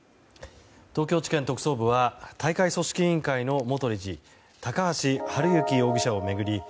東京地検特捜部は大会組織委員会の元理事高橋治之容疑者を巡り